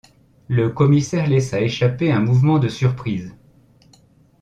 Le commissaire laissa échapper un mouvement de surprise.